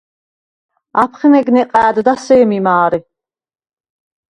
აფხნეგ ნეყა̄̈დდა სემი მა̄რე.